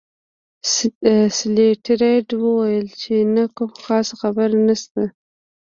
لیسټرډ وویل چې نه کومه خاصه خبره نشته.